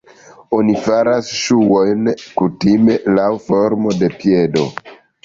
Oni faras ŝuojn kutime laŭ formo de piedo.